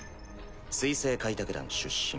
水星開拓団出身。